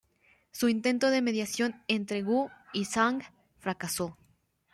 Su intento de mediación entre Wu y Zhang fracasó.